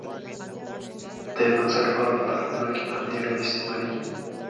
د بنسټپالو په لارښوونو کې په همدې ډول استعمالېږي.